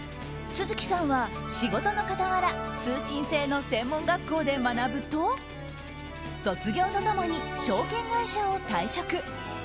續さんは仕事の傍ら通信制の専門学校で学ぶと卒業と共に証券会社を退職。